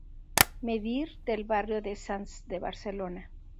Medir del barrio de Sants de Barcelona".